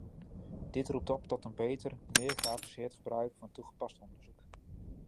Dit roept op tot een beter, meer geavanceerd gebruik van toegepast onderzoek.